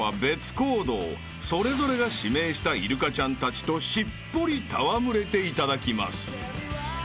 ［それぞれが指名したイルカちゃんたちとしっぽり戯れていただきます］